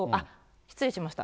失礼しました。